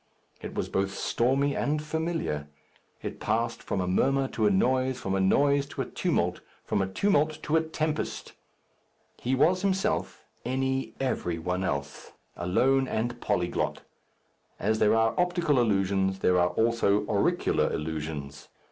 It was both stormy and familiar. It passed from a murmur to a noise, from a noise to a tumult, from a tumult to a tempest. He was himself, any, every one else. Alone, and polyglot. As there are optical illusions, there are also auricular illusions.